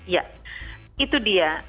ya itu dia